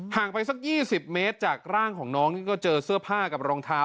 ไปสัก๒๐เมตรจากร่างของน้องนี่ก็เจอเสื้อผ้ากับรองเท้า